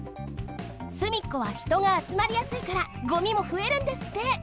すみっこはひとがあつまりやすいからごみもふえるんですって。